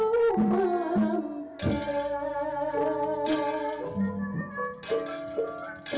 rit yang sirut data ini wayang